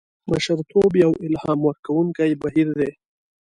مشرتوب یو الهام ورکوونکی بهیر دی.